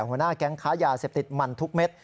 หัวหน้าแก๊งค้ายาเสพติดมันทุกเม็ด